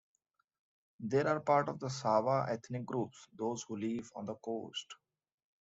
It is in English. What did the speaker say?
They are part of the Sawa ethnic groups, those who live on the coast.